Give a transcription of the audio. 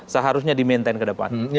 seharusnya dimaintain ke depan